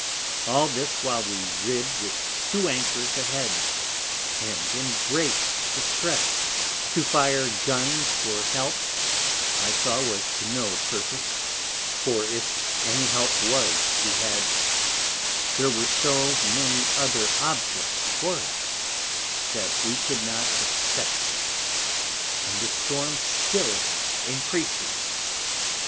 All this while we rid with two Anchors a head, and in great Distress: To fire Guns for Help, I saw was to no Purpose, for if any Help was to be had, there were so many other Objects for it, that we could not expect it, and the Storm still encreasing.